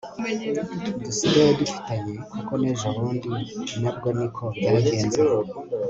dusigaye dufitanye kuko nejobundi nabwo niko byagenze